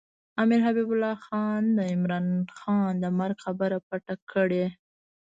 امیر حبیب الله خان د عمرا خان د مرګ خبره پټه کړې.